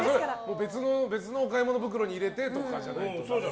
別のお買い物袋に入れてとかじゃない？